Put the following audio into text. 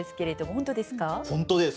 本当です！